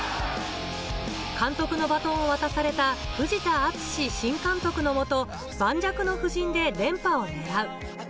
監督のバトンを渡された藤田敦史新監督のもと、盤石の布陣で連覇を狙う。